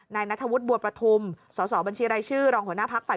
นัทธวุฒิบัวประทุมสสบัญชีรายชื่อรองหัวหน้าพักฝ่าย